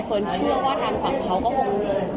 คนเชื่อว่าทางฝั่งเขาก็คง